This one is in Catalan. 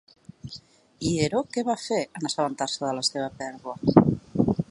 I Hero què va fer en assabentar-se de la seva pèrdua?